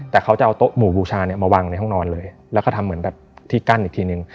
แต่เขาจะเอาโต๊ะหมู่บูชาเนี่ยมาวางในห้องนอนเลยแล้วก็ทำเหมือนแบบที่กั้นอีกทีนึง